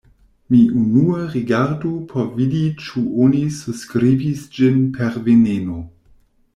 Mi unue rigardu por vidi ĉu oni surskribis ĝin per veneno.